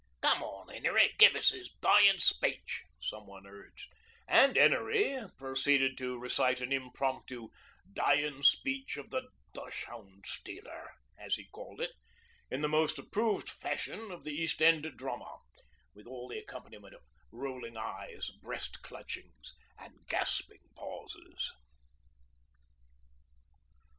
'Come on, 'Enery, give us 'is dyin' speech,' some one urged, and 'Enery proceeded to recite an impromptu 'Dyin' Speech of the Dachshund stealer,' as he called it, in the most approved fashion of the East End drama, with all the accompaniments of rolling eyes, breast clutchings, and gasping pauses.